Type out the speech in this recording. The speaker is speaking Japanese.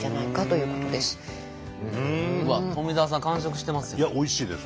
うわっ富澤さん完食してますよ。